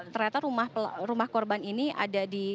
ternyata rumah korban ini ada di